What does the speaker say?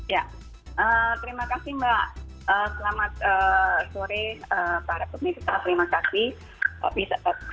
ya terima kasih mbak selamat sore para pemirsa terima kasih